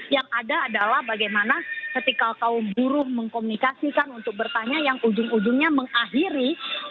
yang ada adalah bagaimana ketika kaum buruh mengkomunikasikan untuk bertanya yang ujung ujungnya mengakhiri